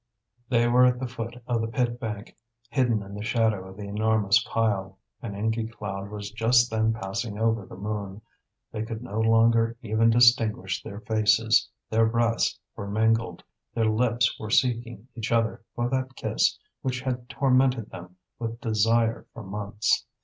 They were at the foot of the pit bank, hidden in the shadow of the enormous pile. An inky cloud was just then passing over the moon; they could no longer even distinguish their faces, their breaths were mingled, their lips were seeking each other for that kiss which had tormented them with desire for months.